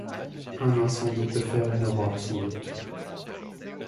Un incendie peut faire une aurore sans doute.